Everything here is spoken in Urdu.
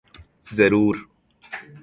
ضرور۔